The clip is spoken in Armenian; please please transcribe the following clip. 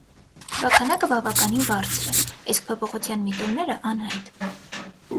Թվաքանակը բավականին բարձր է, իսկ փոփոխության միտումները անհայտ։